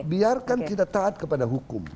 biarkan kita taat kepada hukum